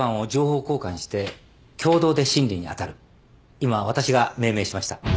今私が命名しました。